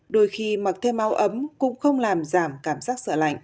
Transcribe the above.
đôi khi mặc thêm áo ấm cũng không làm giảm cảm giác sợ lạnh